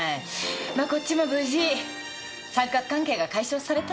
まっこっちも無事三角関係が解消されたし。